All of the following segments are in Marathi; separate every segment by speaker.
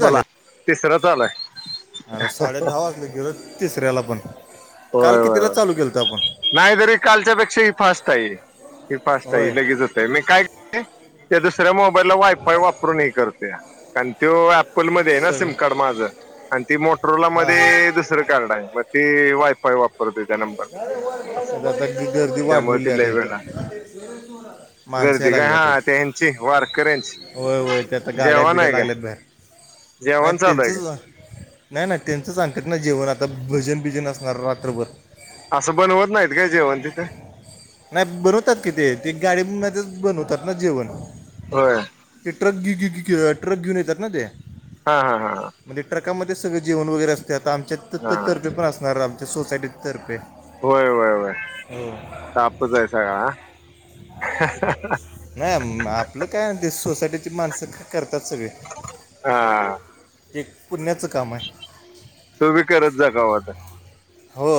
Speaker 1: बोला तिसरं आलंय
Speaker 2: अर साडे दहा वाजलं गेल तिसऱ्याला पण काल
Speaker 1: होय होय
Speaker 2: कितीला
Speaker 1: होय.
Speaker 2: चालू केेलत आपण
Speaker 1: नाही तरी कालच्यापेक्षा ही फास्ट आहे ही फास्ट आहे
Speaker 2: होय
Speaker 1: लगेच होत आहे मी कायस दुसऱ्या मोबाईलला वायफाय वापरूनही करते कारण तो ऍपलमध्येध्ये आहे ना
Speaker 2: सगळे
Speaker 1: सिम कार्ड माझं आणि ती मोटरोोला
Speaker 2: हां हां
Speaker 1: मध्ये दुसरं कार्ड आहे मग ते वायफाय वापरतेो त्या नंबर असं
Speaker 2: आता की गर्दी
Speaker 1: त्यामुळे
Speaker 2: वाढलेली
Speaker 1: ती
Speaker 2: आहेता
Speaker 1: लय वेळ लागते.
Speaker 2: इथं माणसा
Speaker 1: गर्दी काय
Speaker 2: लागल्याता
Speaker 1: हा
Speaker 2: एक
Speaker 1: त्यांची वारकऱ्यांची
Speaker 2: होय होय त्या आता गाड्या
Speaker 1: जेवण
Speaker 2: बिड्या
Speaker 1: आहे काय
Speaker 2: लागल्यात भहेर नाही
Speaker 1: जेवण चालू आहे
Speaker 2: त्यांचच
Speaker 1: काय
Speaker 2: नाही नाही त्यांच सांगतत ना जेवण आता भजन बीजन असणार रात्रभर
Speaker 1: असं बनवत नाहीत काय जेवण तिथं
Speaker 2: नाही बनवतात कि ते ते गाडी तेच बनवतात ना जेवण
Speaker 1: होय
Speaker 2: ते ट्रक ट्रक घेऊन येतात ना ते
Speaker 1: हा हा हा
Speaker 2: पकामध्ये सगळं जेवण वगैरे असते आता आमच्या
Speaker 1: हा
Speaker 2: तर्फे पण असणार आमच्या सोसायटीतर्फे हो
Speaker 1: पूजायच हाय हा..
Speaker 2: नाही आपलं काय ते सोसायटी... मानस करतात सगळे...
Speaker 1: हा..
Speaker 2: एक पुण्याचं काम आहे
Speaker 1: तू बी करत जा कवा तर..
Speaker 2: हो...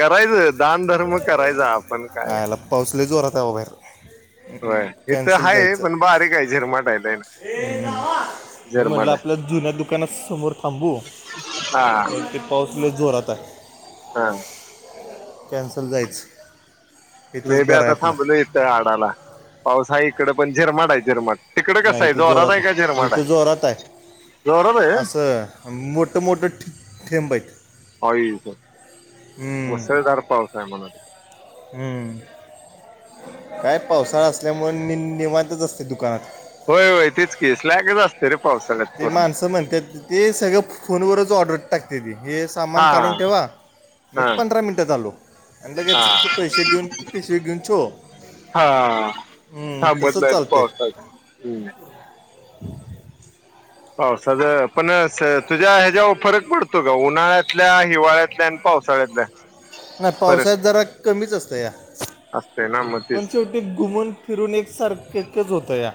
Speaker 1: करायचं... दान धर्म करायचा आपण काय...
Speaker 2: दबर...
Speaker 1: होय इथं
Speaker 2: कॅन्सल
Speaker 1: हाय
Speaker 2: जायचं
Speaker 1: पण बारीक आहे झिरमाट आहे लय नाही
Speaker 2: मी म्हटलं
Speaker 1: झिरमाट आहे
Speaker 2: आपल्या जुन्या दुकाना समोर थांबू
Speaker 1: हा
Speaker 2: कारण ते पाऊसने जोरात आहे
Speaker 1: हा
Speaker 2: कॅन्सल जायचं इथंच
Speaker 1: मी बी
Speaker 2: बरं
Speaker 1: आता
Speaker 2: आहे आपलं
Speaker 1: थांबलो इथ आडाला पाऊस आहे कि कडे पण झिरमड आहे झिरमड
Speaker 2: नाही तर जोरात इथ जोरात आहे
Speaker 1: जोरात आहे
Speaker 2: असं मोठ मोठं थेंब आहे
Speaker 1: हयच मुसळधार पाऊस आहे म्हणायचं..
Speaker 2: हम्म काय पावसाळा असल्यामुळे निवांतच असते दुकानात...
Speaker 1: होय होय तेच की स्लॅग असत रे... पावसाळ्यात
Speaker 2: ते
Speaker 1: पूर्ण
Speaker 2: माणसं म्हणतात ते सगळं फोनवरच ऑर्डर टाकते ती... हे
Speaker 1: हा
Speaker 2: सामान काढून ठेवा... मी
Speaker 1: हा
Speaker 2: पंधरा मिनटं चाललो आणि
Speaker 1: हा
Speaker 2: लगेच तो पैसे देऊन पिशवी घेऊन छो...
Speaker 1: हा हा बदलाच पावसात हम्म...
Speaker 2: ह...
Speaker 1: हो सध्या पण तुझ्या ह्याच्यावर फरक पडतो का उन्हाळ्यातल्या हिवाळ्यातल्या पावसाळ्यातल्या
Speaker 2: नाही
Speaker 1: फरक
Speaker 2: पावसाळ्यात जरा कमीच असत या
Speaker 1: असते ना मग
Speaker 2: पण
Speaker 1: तेच
Speaker 2: शेवटी घुमून फिरून एकसारखंच होतं या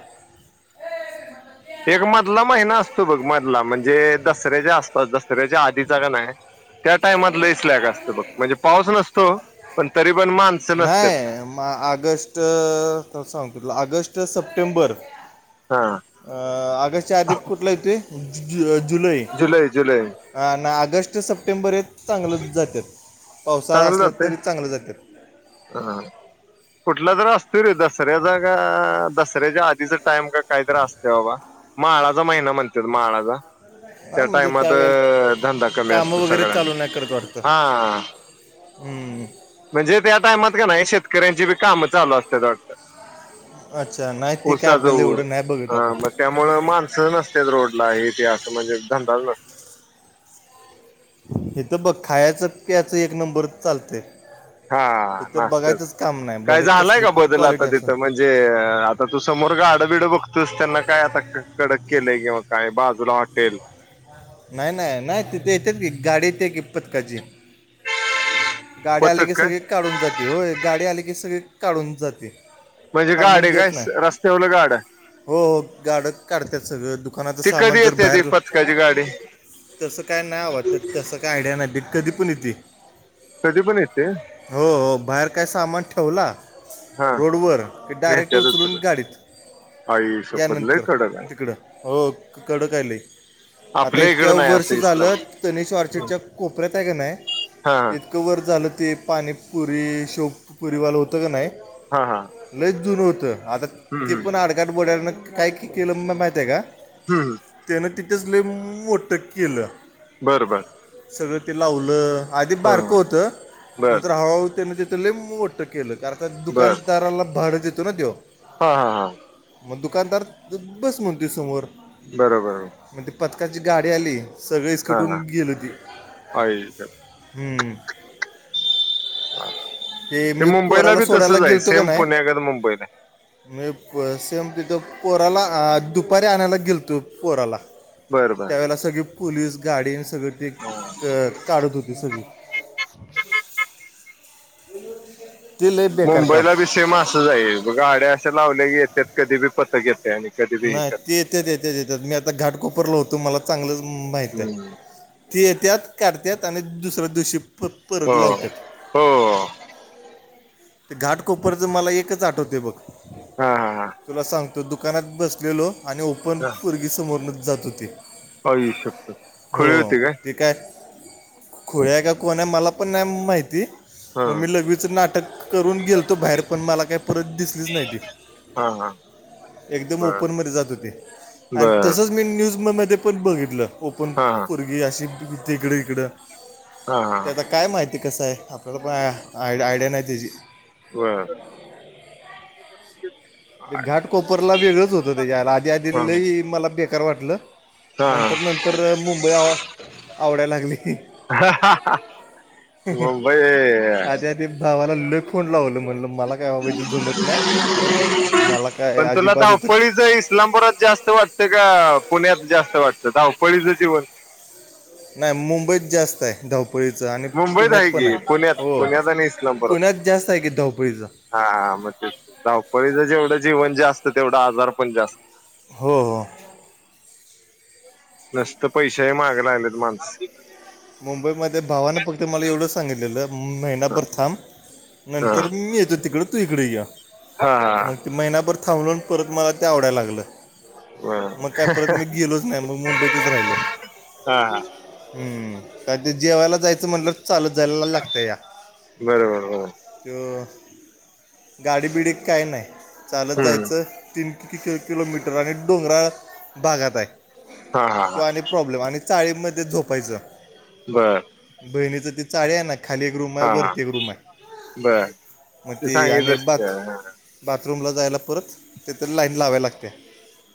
Speaker 1: तो बघ मधला म्हणजे दसऱ्याच्या आसपास दसऱ्याच्या आधीचा काणी त्या टाईमात लईस लॅग असत बघ म्हणजे पाऊस नसतो पण तरी पण माणसं नसतात
Speaker 2: नाही मग आ ऑगस्ट संप त ऑगस्ट सप्टेंबर-
Speaker 1: हा
Speaker 2: अ आगस्ट च्या आधी कुठला येते जुलै ना ऑगस्ट सप्टेंबर हे चांगलं जातात पावसाळा असला तरी चांगलं जाते.
Speaker 1: हां कुठला तर असतोय रे दसऱ्याचा का दसऱ्याच्या आधीचा टाइम का काहीतरी असते बाबा माळाचा महिना म्हणतात माळाचा
Speaker 2: हा
Speaker 1: त्या
Speaker 2: म्हणजे
Speaker 1: टाइमात
Speaker 2: त्यावेळेला
Speaker 1: धंदा कमी
Speaker 2: कामं
Speaker 1: असतो
Speaker 2: वगैरे चालू
Speaker 1: सगळ्यांना हां [inaudible]
Speaker 2: हमं
Speaker 1: म्हणजे त्या टाइमात का नाही शेतकऱ्यांची बी काम चालु असतेत वाटत
Speaker 2: अच्छा नाही ते काय आपल्याला
Speaker 1: ऊसाचऊर
Speaker 2: एवढं नाही बघत
Speaker 1: ह मग
Speaker 2: आपण
Speaker 1: त्यामुळ माणसं नसते रोडला हे ते असं म्हणजे धंदाल ना
Speaker 2: हे तर बघ खायचं प्याचं एक नंबरच चालते
Speaker 1: हा नास्ताच
Speaker 2: नाही
Speaker 1: काय
Speaker 2: भले
Speaker 1: झालंय
Speaker 2: कसली
Speaker 1: का
Speaker 2: पण
Speaker 1: बदल आता
Speaker 2: क्वालिटी असं
Speaker 1: तिथं म्हणजे आता तु समोर गाडबिडं बघतोस त्यांना काय आता कडक केलंय किंवा काय बाजूला हॉटेल
Speaker 2: नाही नाही नाही तिथे येत गाडीेत कि पथकाची गाडी आले
Speaker 1: पथक
Speaker 2: की
Speaker 1: काय
Speaker 2: सगळी काढुन जाते होय गाडी आली की सगळी काढुन जाते
Speaker 1: म्हणजे
Speaker 2: थांबून
Speaker 1: गाडी आहे
Speaker 2: देत
Speaker 1: काय
Speaker 2: नाही
Speaker 1: रस्त्यावरलं गाड्या
Speaker 2: हो हो गाड्या काढतात सगळं दुकानाचं
Speaker 1: ती कधी
Speaker 2: सामान जर
Speaker 1: येते ती
Speaker 2: बाहेर
Speaker 1: पथकाची गाडी
Speaker 2: तसं काय नाही व्हतं तसं काय आयडिया नाही बी कधी पण येते
Speaker 1: कधी पण येते
Speaker 2: हो हो बाहेर काय सामान ठेवला
Speaker 1: हा
Speaker 2: रोडवर ते डायरेक्ट
Speaker 1: नेत्यातच
Speaker 2: उचलून गाडीत
Speaker 1: आई शपथ लय
Speaker 2: यानंतर
Speaker 1: कडक आहे
Speaker 2: तिकडं हो कड खायले आता
Speaker 1: आपल्या
Speaker 2: इतक्या
Speaker 1: इकडं नाही
Speaker 2: वर्ष
Speaker 1: असं
Speaker 2: झालं
Speaker 1: इस्लाम
Speaker 2: तनिष ऑर्चिडच्या कोपऱ्यात आहे का नाही
Speaker 1: हा
Speaker 2: इतकं वर झालं ते पाणीपुरी शेवपुरीवालं होतं का नाही
Speaker 1: हा हा
Speaker 2: लय जुन होतं आता
Speaker 1: हम्म
Speaker 2: ते
Speaker 1: हम्म
Speaker 2: पण आडकाट बोडन काय कलं म माहित आहे का
Speaker 1: हम् ह
Speaker 2: तसले मो मोट केलं
Speaker 1: बरं बर
Speaker 2: सगळं ते लावलं आधी
Speaker 1: हा
Speaker 2: बारकं होतं
Speaker 1: बर
Speaker 2: नंतर हळूहळू त्याने तिथले मोटतं केलं कारता
Speaker 1: बर
Speaker 2: दुकानदाराला भाड देतो ना तेो
Speaker 1: हा हा हा
Speaker 2: मग दुकानदार बस म्हणते समोर
Speaker 1: बरोबर
Speaker 2: त पथकाची गाडी आली
Speaker 1: हा
Speaker 2: सगळेचकटून
Speaker 1: हा
Speaker 2: गेलती
Speaker 1: आई ग.
Speaker 2: ह
Speaker 1: ह
Speaker 2: ते मी पोराला सोडायला गेलतो का
Speaker 1: सेम
Speaker 2: नाही
Speaker 1: पुण्यागत मुंबईला
Speaker 2: मी सेम तर पोराला दुपारी आणायला गेलतो पोराला
Speaker 1: बरं बर
Speaker 2: त्यावेळेला सगळी पोलीस गाडी आणि सगळे ते काढत होती सगळी ते लय बेकार काम
Speaker 1: मुंबईला बी सेम असंच आहे गाड्या अशे लावल्या की येतात कधी बी पथक येते आणि कधी बी हे
Speaker 2: नाही
Speaker 1: करते
Speaker 2: ते येतच येतच येत मी आता घाटकोपरल होतो मला चांगलं माहित आहे
Speaker 1: हम्म
Speaker 2: ती येत्यात काढत्यात आणि दुसऱ्या दिवशी त
Speaker 1: हो
Speaker 2: परत लावतात
Speaker 1: हो
Speaker 2: ते घाटकोपरच मला एकच आठवते बघ
Speaker 1: हा हा
Speaker 2: तुला सांग तो दुकानात बसलेलो आणि ओपन परगी समोरनच जात होती
Speaker 1: हो ये शकतो खळी होते काय
Speaker 2: खोय का कोणा आहे मला पण नाही माहिती
Speaker 1: हा
Speaker 2: मग मी लघवीच नाटक [inaudible] न गेलतो बाहेर पण मला काही परत दिसलीच नाही ती
Speaker 1: हा हा
Speaker 2: एकदम
Speaker 1: बर
Speaker 2: ओपन म जात होते आणि
Speaker 1: बर
Speaker 2: तसच मी न्यूज मग म ते पण बघितलं ओपन
Speaker 1: हा हा
Speaker 2: भरगी अशी तिकडे इिकडं
Speaker 1: हा हा
Speaker 2: त्या आता काय माहिती कसं आहे आपल्याला पण आयडिया नाही त्याची
Speaker 1: ह
Speaker 2: ते घाट कोपरला वेगळंच होतं त्याच्या आधी आधीलाही मला बेकार वाटलं
Speaker 1: हा
Speaker 2: नंतर नंतर मुंबई आव आवडायला लागली
Speaker 1: हा मुंबई
Speaker 2: आधी आधी भावाला लुक फोन लावल म्हणल मला काय बाबायच जमत नाही मला काय
Speaker 1: पण तुला
Speaker 2: अजिबात इथं
Speaker 1: धपळीच इस्लामपुरात जास्त वाटत का पुण्यात जास्त वाटतं धावपळीचं जीवन
Speaker 2: नाही मुंबईत जास्त आहे धा धपळीचं आणि
Speaker 1: मुंबईत
Speaker 2: पुण्यात पण
Speaker 1: की
Speaker 2: आहे
Speaker 1: पुण्यात
Speaker 2: हो
Speaker 1: पुण्यात आणि इस्लामपुरात
Speaker 2: पुण्यात जास्त आहे की धवपळीचं
Speaker 1: हा मग ते वपळीचं जेवढं जीवन जास्त तेवढा आजार पण जास्त
Speaker 2: हो हो
Speaker 1: नसत पैशही मागला आणलेत माणस
Speaker 2: मुंबईमध्येध्ये भावानं फक्त मला एवढं सांगितलेलं मेनाभर थांब
Speaker 1: हा
Speaker 2: नंतर मी येतो तिकड तू इकडे ये
Speaker 1: हा हा
Speaker 2: मग ते महिनाभर थांबलं परत मला ते आवडायला लागलं मग काय परत मी गेलोच नाही मग मुंबईतच राहिलो
Speaker 1: हा
Speaker 2: हम्म का ते जेवायला जायचं म्हटलं चालू झायला लागत या
Speaker 1: बरोबर बरोबर
Speaker 2: गाडीबिडी काय नाही चालत
Speaker 1: हम्म
Speaker 2: जायचं तीन किती किलोमीटर आणि डोंगराळ भागात आहे
Speaker 1: हा हा
Speaker 2: कि
Speaker 1: हा
Speaker 2: आणि प्रॉब्लेम आणि चाळी मध्ये झोपायच
Speaker 1: बर
Speaker 2: बहिणीच ती चाळ ना खाली एक रूम आहे
Speaker 1: हा हा
Speaker 2: वरती एक रूम आहे
Speaker 1: बर
Speaker 2: मग ते
Speaker 1: सांगितलंस
Speaker 2: आणिथ
Speaker 1: की त्याला
Speaker 2: रूमला जायला परत त्यातरी लाईन लाव्या लागते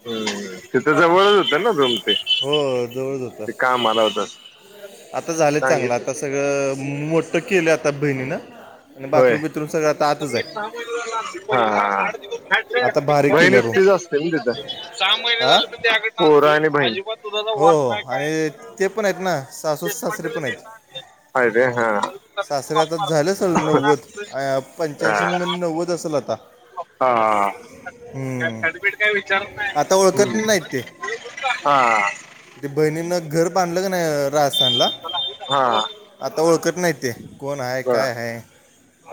Speaker 1: हम् तिथ जवळच होतं ना जोम ते
Speaker 2: हो जवळच
Speaker 1: ते
Speaker 2: होतं
Speaker 1: काम आला होत
Speaker 2: आता झालं चांगलं आता सगळं मोठ केलं आता बहिणी न आणि
Speaker 1: होय
Speaker 2: बाथरू बिथरूम सगळं
Speaker 1: [unintelligible] हा
Speaker 2: आता भारी केलं
Speaker 1: मैनत
Speaker 2: रूम
Speaker 1: तच असते ना तिथ सहा महिने
Speaker 2: हा
Speaker 1: झाले तर ते पोर आणि बहीण
Speaker 2: हो हो आणित ते पण आहेत ना सासूस सासरे पण आहेत
Speaker 1: आहे काय
Speaker 2: सासऱ्ये आता झाल्या आसेल नव्वद पंच्याऐंशी नव्वद असेल आता
Speaker 1: हा हा ती
Speaker 2: हम्म.
Speaker 1: खडपीठ काय विचारत नाही आता हु
Speaker 2: ओळखत नाहीत ते
Speaker 1: हु हा हा
Speaker 2: ते बहिणीन घर बांधलं का नाही राहसाानला
Speaker 1: हा
Speaker 2: आता ओळखत नाही ते. कोण आहे
Speaker 1: बर
Speaker 2: काय आहे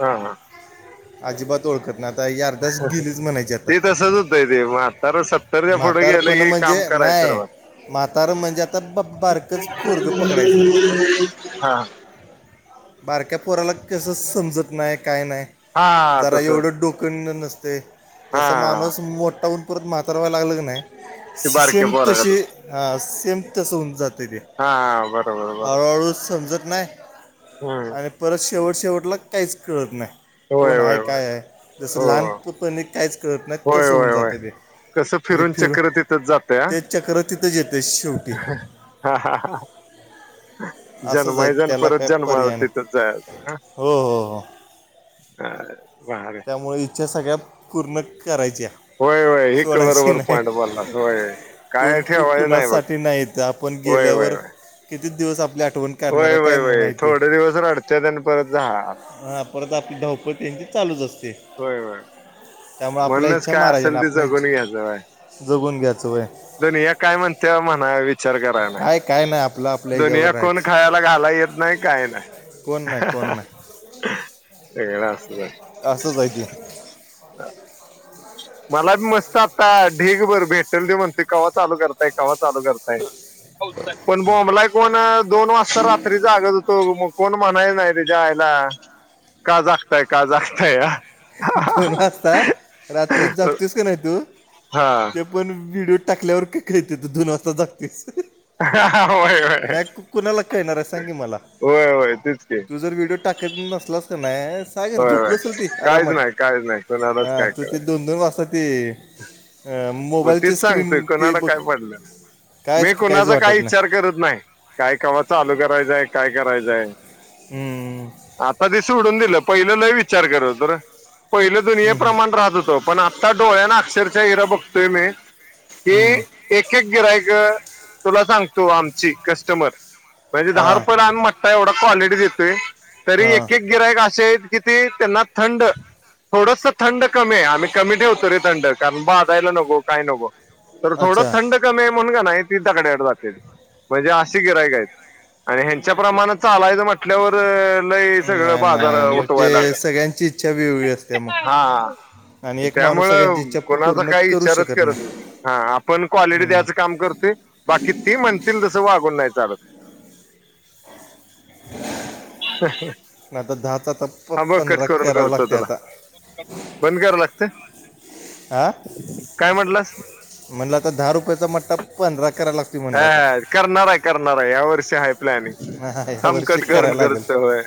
Speaker 1: हा हा
Speaker 2: अजिबा ओळखत नाही आता ही अर्धाच गेलीच म्हणायची आता
Speaker 1: ते तसच होतंय ते मग आता सत्तरच्या पुढे गेले की कामका पैसे रहवत
Speaker 2: म्हातार म्हणजे आता बा बारकच पोरग पकडायचं
Speaker 1: हा
Speaker 2: बारक्या पोराला कस समजत नाहे काहीय नाही
Speaker 1: हा
Speaker 2: जरा
Speaker 1: तस
Speaker 2: एवढं डोकं ननसते जस
Speaker 1: हा
Speaker 2: माणूस मोठाहोउन परत म्हातारवा लागलं नाही
Speaker 1: ते
Speaker 2: सी
Speaker 1: बारक्या
Speaker 2: सेम
Speaker 1: पोरागत
Speaker 2: तशे ह सेम तसं होऊन जात ते दे
Speaker 1: हा बरोबर बरोबर
Speaker 2: हाळु समजत नाही
Speaker 1: हम्म
Speaker 2: आणि परत शेवट शेवटला काहीच कळत नाही
Speaker 1: होय
Speaker 2: कोण आहे
Speaker 1: होय होय
Speaker 2: काय आहे जसं
Speaker 1: हो
Speaker 2: लहान पुतनी काहीच कळत नाही
Speaker 1: होय
Speaker 2: तसं होऊन
Speaker 1: होय होय
Speaker 2: जातं ते
Speaker 1: कसं
Speaker 2: म्हणजे
Speaker 1: फिरून
Speaker 2: फिर
Speaker 1: चक्र तिथंच जातय
Speaker 2: तेच चक्रच तिथंच येतेय शेवटी
Speaker 1: हा हा
Speaker 2: असंच आहे त
Speaker 1: जन्माय जण
Speaker 2: त्याला
Speaker 1: परत
Speaker 2: काय
Speaker 1: जन्माला
Speaker 2: पर्याय
Speaker 1: तिथंच
Speaker 2: नाही
Speaker 1: जायचं
Speaker 2: हो हो हो
Speaker 1: [unintelligible]
Speaker 2: त्यामुळे इच्छा सगळ्या पूर्ण करायच्या
Speaker 1: होय होय हे
Speaker 2: सोडायची
Speaker 1: बरोबर
Speaker 2: नाही
Speaker 1: पॉइंट बोललास होय काय
Speaker 2: कोणू
Speaker 1: ठेवायचं नाही बघ
Speaker 2: कुणासाठी नाहीेत ईथ आपण गे
Speaker 1: होय होय
Speaker 2: गेल्यावर
Speaker 1: होय
Speaker 2: कितीच दिवस आपल्या आठ ठवून काढणार
Speaker 1: होय होय
Speaker 2: काय म
Speaker 1: होय
Speaker 2: माहितीये
Speaker 1: थोडे दिवस रडत्यात आणि परत झालं
Speaker 2: परत आपली धावपळ तेची चालूच अस
Speaker 1: होय होय म्हणूनच
Speaker 2: इच्छा
Speaker 1: काय असेल
Speaker 2: महाराजांना
Speaker 1: ते
Speaker 2: आपल्या
Speaker 1: जगून
Speaker 2: इच्छा
Speaker 1: घ्यायचं होय.
Speaker 2: जगून घ्यायचं होय
Speaker 1: दुनिया काय म्हणते म्हणा विचार करायला
Speaker 2: काय काय नाही आपलं आपल्या
Speaker 1: दुनिया
Speaker 2: ह्याच्यावर
Speaker 1: कोण
Speaker 2: राहायचं
Speaker 1: खाला घाला येत. नाही काये नाये.
Speaker 2: कोण नाही कोण नाही.
Speaker 1: [unintelligible]
Speaker 2: असच हाय ते.
Speaker 1: मला बी मस्त आता ढेग भर भेटल दे म्हणते कवा चालू करताय कवा्हा चालु करताये पण बोबलाय कोन दोन वाजता रात्री जागत होत कोण म्हणाय नाही तीच्यायला काजगताय काजग
Speaker 2: दोन वाजता रात तर जगतेस का नाही तू
Speaker 1: हा
Speaker 2: ते पण व्हिडिओ टाकल्यावर की काय तू दोन वाजता जगतेस
Speaker 1: होय होय
Speaker 2: नाही कु कुणाला काळणार आहे सांगी मला
Speaker 1: होय होय तेच की
Speaker 2: तू जर व्हिडिओ टाकत नसलास का नाही सागर
Speaker 1: होय
Speaker 2: जो
Speaker 1: होय
Speaker 2: बसल ते
Speaker 1: काहीच
Speaker 2: आरामात
Speaker 1: नाही काहीच नाही
Speaker 2: ह
Speaker 1: कोणालाच काय
Speaker 2: त ते
Speaker 1: कळत
Speaker 2: दोन दोन वाजता ते
Speaker 1: वग
Speaker 2: मोबाईलची
Speaker 1: तेच
Speaker 2: स्क्रीन
Speaker 1: सांगतोय
Speaker 2: ते
Speaker 1: कोणाला
Speaker 2: बघ
Speaker 1: काय पडल मी
Speaker 2: कायच काहीच
Speaker 1: कुणाचा काही
Speaker 2: वाटत
Speaker 1: विच्चार करत नाही काय कावा चालू करायचंय काय करायचंय
Speaker 2: हम्म,
Speaker 1: आता दिस उडून दिलं पहिलं लई वि विचार करत होतोना पहिले दुनिये
Speaker 2: हम्म, हम्म,
Speaker 1: प्रमाण राहत होतो पण आत्ता डोळ्या ना अक्षरच्या हिरा बघ ही
Speaker 2: हम्म.
Speaker 1: एक एक गिरयक तुला सांगतो. तो आमची कस्टमर म्हणजे
Speaker 2: हा
Speaker 1: दहा रुपये लहान म्हट एवढा क्वालिटी देतोय. तरी
Speaker 2: हा
Speaker 1: एक एक गिरायक असे आहेत कि त्यांना थंड थोडस थंड कमी आहे आम्ही कमी ठेवतो रे थंड कारण बा ो काय नो तर थोड
Speaker 2: अच्छा
Speaker 1: थंड कमीण नाही ती दकड्या जात म्हणजे अशी गिरायक आणि ह्यांच्या प्रमाण चालायं म्हटल्यावर सगळं
Speaker 2: नाही
Speaker 1: बाजार
Speaker 2: नाही मग ते
Speaker 1: उठवाय लागल
Speaker 2: सगळ्यांची इच्छा वेगळी असते मग
Speaker 1: हा
Speaker 2: आणि एक
Speaker 1: त्यामु
Speaker 2: माणूस सगळ्यांची इच्छा पू-
Speaker 1: कोणाच
Speaker 2: पूर्ण
Speaker 1: काही
Speaker 2: करू शकत
Speaker 1: ार
Speaker 2: नाही
Speaker 1: आपण क्वालिटी
Speaker 2: हम्म.
Speaker 1: द्यायचं काम करतोय बाकी ते म्हणतील जस वागूनयचं चाल ह ह
Speaker 2: आता दहाचा आता प
Speaker 1: हा बघ कट
Speaker 2: पंधरा
Speaker 1: करून
Speaker 2: करावं
Speaker 1: करतो
Speaker 2: लागते
Speaker 1: तुला
Speaker 2: आता
Speaker 1: बंद करावं लागत
Speaker 2: हा
Speaker 1: काय म्हटलंस
Speaker 2: म्हणलं आता दहा रुपयाचा म्हटा पंधरा करायला लागते म्हणलं आता
Speaker 1: हा करणारा करणारा या वर्ष
Speaker 2: हा,
Speaker 1: प्लॅनिंग
Speaker 2: या
Speaker 1: आम
Speaker 2: वर्षी
Speaker 1: कटखण
Speaker 2: करायला लागेल
Speaker 1: करत होय